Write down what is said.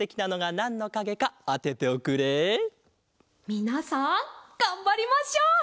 みなさんがんばりましょう。